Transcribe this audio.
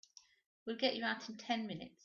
We'll get you out in ten minutes.